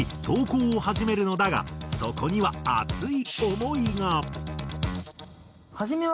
投稿を始めるのだがそこには熱い思いが。